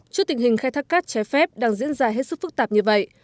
trước tình hình khai thác cát trái phép đang diễn ra hết sức phức tạp như vậy